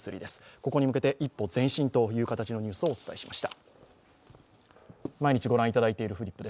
ここに向けて一歩前進というニュースをお伝えしました。